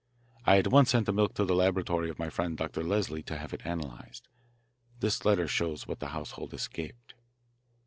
I at once sent the milk to the laboratory of my friend Doctor Leslie to have it analysed. This letter shows what the household escaped."